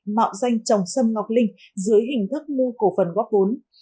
mạo danh chồng sâm ngọc linh dưới hình thức mua cổ phần gốc vốn